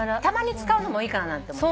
たまに使うのもいいかななんて。